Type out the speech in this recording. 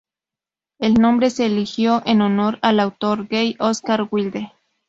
El nombre se eligió en honor al autor gay Oscar Wilde.